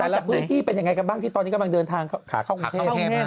ละพื้นที่เป็นยังไงกันบ้างที่ตอนนี้กำลังเดินทางขาเข้ากรุงเทพ